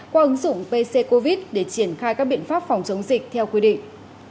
qua ứng dụng pc covid để triển khai các biện pháp phòng chống dịch theo quy định